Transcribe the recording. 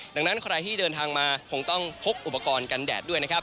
ดังนั้นใครที่เดินทางมาคงต้องพกอุปกรณ์กันแดดด้วยนะครับ